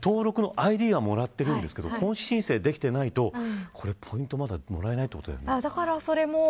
登録のＩＤはもらっているんですけど本申請できてないとポイントをもらえないということですね。